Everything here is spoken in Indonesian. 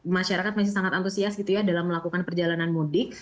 masyarakat masih sangat antusias gitu ya dalam melakukan perjalanan mudik